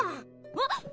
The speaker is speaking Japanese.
あっ！